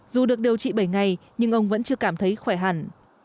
dù được điều trị bảy ngày nhưng ông vẫn chưa cảm thấy khỏe hẳn